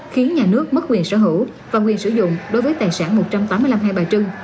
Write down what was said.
khiến nhà nước mất quyền sở hữu và quyền sử dụng đối với tài sản một trăm tám mươi năm hai bà trưng